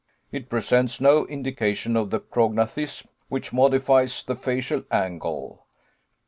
It presents no indication of the prognathism which modifies the facial angle.